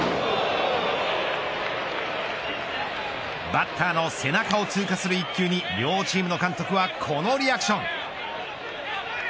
バッターの背中を通過する１球に両チームの監督はこのリアクション。